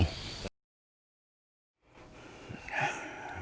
ท่านผู้ชมครับทีนี้